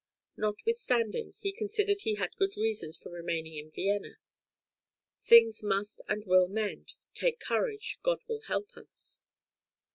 Notwithstanding, he considered he had good reasons for remaining in Vienna. "Things must and will mend; take courage, God will help us!"